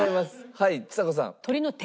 はいちさ子さん。